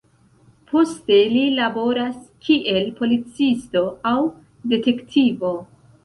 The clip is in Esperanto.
Poste li laboras kiel policisto aŭ detektivo.